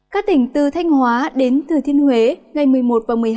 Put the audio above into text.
các tỉnh từ thanh hóa đến thừa thiên huế ngày một mươi một và một mươi hai